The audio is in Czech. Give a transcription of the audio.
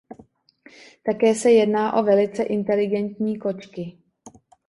Také se jedná o velice inteligentní kočky.